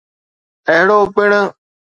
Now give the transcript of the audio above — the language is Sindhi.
اهڙو پڻ